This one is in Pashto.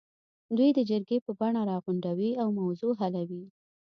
دوی د جرګې په بڼه راغونډوي او موضوع حلوي.